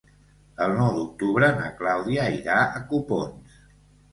El nou d'octubre na Clàudia irà a Copons.